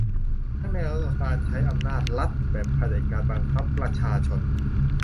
ทั้งแนวการใช้อำนาจรัฐแบบเผด็จการบังคับประชาชน